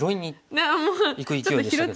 いく勢いでしたけども。